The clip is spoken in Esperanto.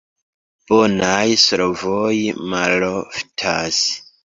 Bonaj solvoj maloftas.